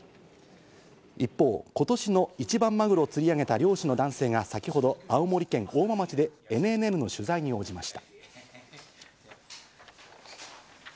一方、今年の一番マグロを釣り上げた漁師の男性が先ほど青森県大間町でＮＮＮの取材に応じました。